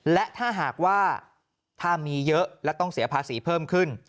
และถ้าหากว่าถ้ามีเยอะและต้องเสียภาษีเพิ่มขึ้น